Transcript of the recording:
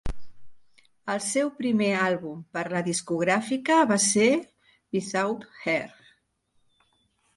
El seu primer àlbum per a la discogràfica va ser "Without Her".